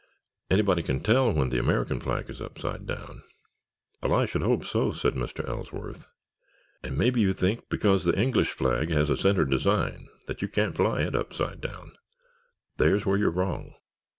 Anybody can tell when the American flag is upside down——" "Well, I should hope so," said Mr. Ellsworth. "And maybe you think because the English flag has a center design that you can't fly it upside down—— There's where you're wrong!"